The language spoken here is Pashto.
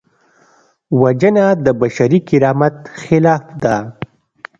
وژنه د بشري کرامت خلاف ده